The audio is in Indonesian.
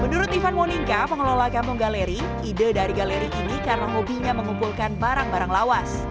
menurut ivan monika pengelola kampung galeri ide dari galeri ini karena hobinya mengumpulkan barang barang lawas